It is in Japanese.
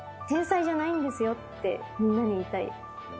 天才じゃないんですよって、みんなに言いたい。